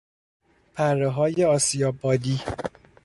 پرههای آسیاب بادی